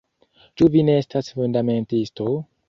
Ĉu vi ne estas fundamentisto?